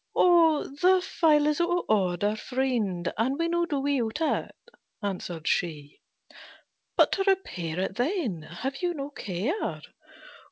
"The file is out of order, friend, and we Now do without it," answered she. "But, to repair it, then, have you no care?"